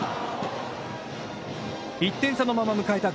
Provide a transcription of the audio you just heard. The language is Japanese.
１点差のまま迎えた